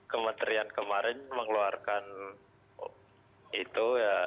kementerian kemarin mengeluarkan itu